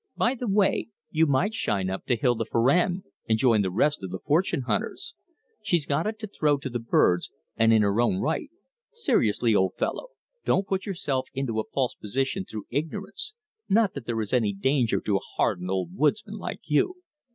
"By the way, you might shine up to Hilda Farrand and join the rest of the fortune hunters. She's got it to throw to the birds, and in her own right. Seriously, old fellow, don't put yourself into a false position through ignorance. Not that there is any danger to a hardened old woodsman like you."